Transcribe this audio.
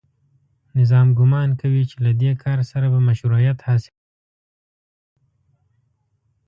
نظام ګومان کوي چې له دې کار سره به مشروعیت حاصل کړي